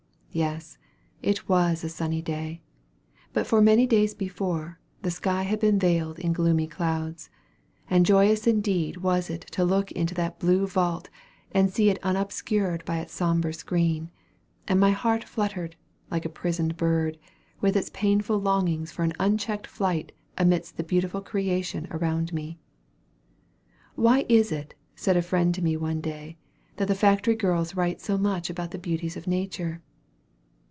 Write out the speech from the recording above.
Yes, it was a sunny day; but for many days before, the sky had been veiled in gloomy clouds; and joyous indeed was it to look up into that blue vault, and see it unobscured by its sombre screen; and my heart fluttered, like a prisoned bird, with its painful longings for an unchecked flight amidst the beautiful creation around me. Why is it, said a friend to me one day, that the factory girls write so much about the beauties of nature?